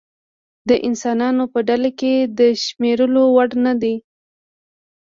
د انسانانو په ډله کې د شمېرلو وړ نه دی.